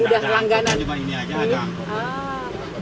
berapa biasanya ibu kalau untuk